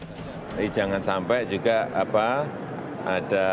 jadi jangan sampai juga ada perubahan